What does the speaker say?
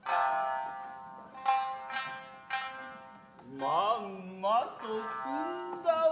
まんまと汲んだわ。